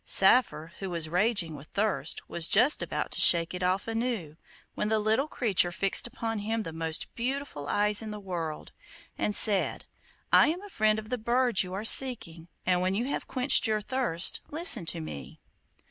Saphir, who was raging with thirst, was just about to shake it off anew, when the little creature fixed upon him the most beautiful eyes in the world, and said, 'I am a friend of the bird you are seeking, and when you have quenched your thirst listen to me.